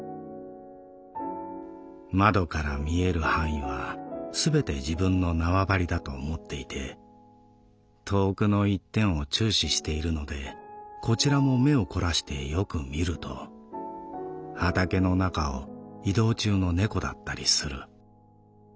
「窓から見える範囲はすべて自分の縄張りだと思っていて遠くの一点を注視しているのでこちらも目をこらしてよく見ると畑の中を移動中の猫だったりする。